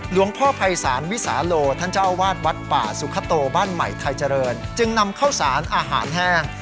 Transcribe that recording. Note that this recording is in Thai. หลวงพ่อภัยศาลวิสาโลท่านเจ้าวาดวัดป่าสุขโตบ้านใหม่ไทยเจริญจึงนำข้าวสารอาหารแห้ง